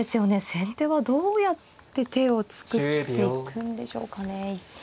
先手はどうやって手を作っていくんでしょうかね。